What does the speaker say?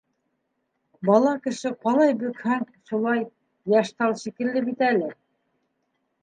Бала кеше ҡалай бөкһәң, шулай, йәш тал шикелле бит әле.